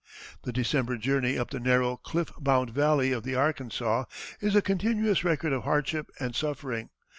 The December journey up the narrow, cliff bound valley of the Arkansas is a continuous record of hardship and suffering.